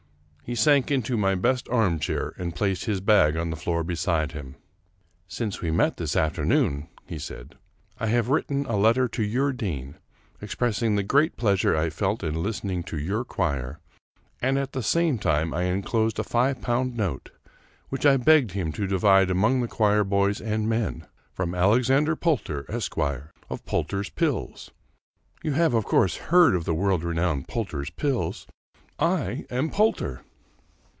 He sank into my best armchair, and placed his bag on the floor beside him. " Since we met in the afternoon," he said, " I have writ ten a letter to your dean, expressing the great pleasure I felt in listening to your choir, and at the same time I in closed a five pound note, which I begged him to divide among the choir boys and men, from Alexander Poulter, Esq., of Poulter's Pills. You have of course heard of the world renowned Poulter's Pills. I am Poulter